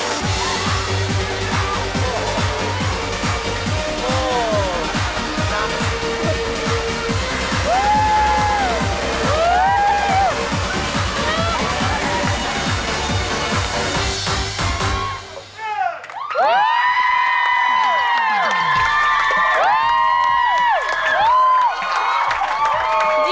เยี่ยมเลยครับคุณแม่หอ